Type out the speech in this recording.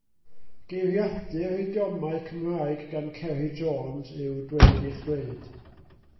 Geiriadur idiomau Cymraeg gan Ceri Jones yw Dweud eich Dweud.